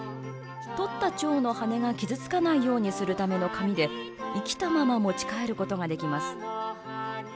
捕ったチョウの羽が傷つかないようにするための紙で生きたまま持ち帰ることできます。